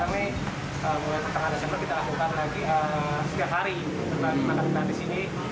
pada saat ini kita melakukan setiap hari dengan makanan disini